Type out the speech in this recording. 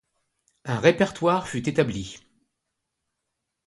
Un répertoire fut établi.